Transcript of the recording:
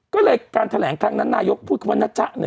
ก็เลยการแถลงครั้งนั้นนายกพูดคำว่านะจ๊ะ